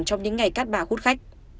trong những ngày cát bà hút khách